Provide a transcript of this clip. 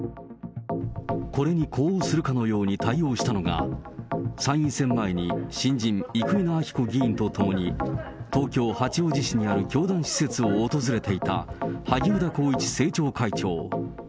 これに呼応するかのように対応したのが、参院選前に新人、生稲晃子議員と共に、東京・八王子市にある教団施設を訪れていた萩生田光一政調会長。